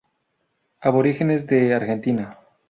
Aborígenes de Argentina